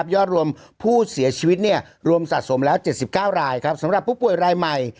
ยอดรวมผู้เสียชีวิตรวมสะสมแล้ว๗๙รายสำหรับผู้ป่วยรายใหม่